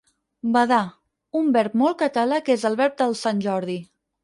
Badar, un verb molt català que és el verb del Sant Jordi.